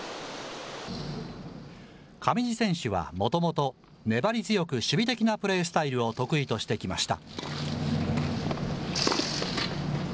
上地選手はもともと、粘り強く守備的なプレースタイルを得意としてきました。